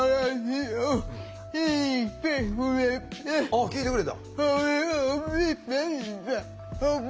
あっ聞いてくれた。